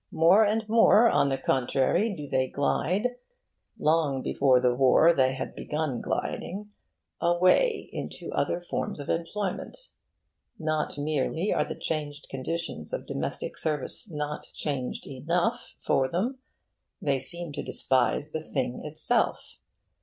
More and more, on the contrary, do they glide long before the War they had begun gliding away into other forms of employment. Not merely are the changed conditions of domestic service not changed enough for them: they seem to despise the thing itself.